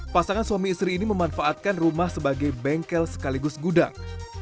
pasangan suami istri ini memanfaatkan rumah sebagai bengkel sekaligus gudang